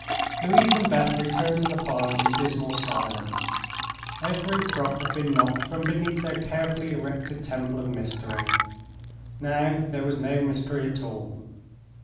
Louise and Beth returned to the farm in dismal silence. Every prop had been knocked from beneath their carefully erected temple of mystery. Now there was no mystery at all.